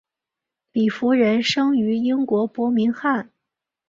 李福仁生于英国伯明翰。